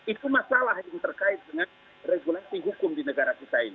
itu masalah yang terkait dengan regulasi hukum di negara kita ini